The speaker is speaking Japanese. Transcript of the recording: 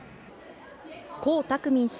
江沢民氏、